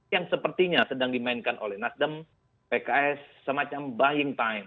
yang sepertinya sedang dimainkan oleh nasdem pks semacam buying time